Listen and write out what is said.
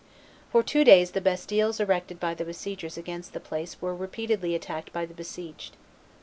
For two days the bastilles erected by the besiegers against the place were repeatedly attacked by the besieged.